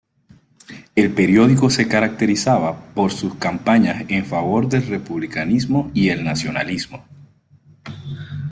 El periódico se caracterizaba por sus campañas en favor del republicanismo y el nacionalismo.